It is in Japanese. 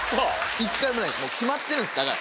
１回もない決まってるんですだから。